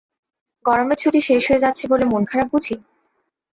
গরমের ছুটি শেষ হয়ে যাচ্ছে বলে মন খারাপ বুঝি?